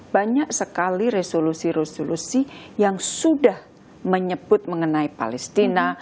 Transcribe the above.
banyak sekali resolusi resolusi yang sudah menyebut mengenai palestina